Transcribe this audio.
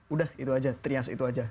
udah itu aja